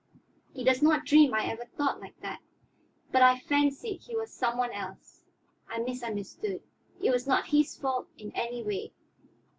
He does not dream I ever thought, like that. But I fancied he was some one else I misunderstood. It was not his fault in any way.